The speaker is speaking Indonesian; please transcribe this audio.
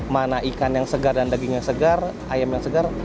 mana ikan yang segar dan daging yang segar ayam yang segar